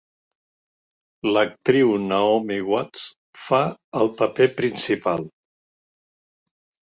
L'actriu Naomi Watts fa el paper principal.